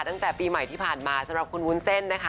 ตั้งแต่ปีใหม่ที่ผ่านมาสำหรับคุณวุ้นเส้นนะคะ